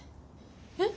えっ？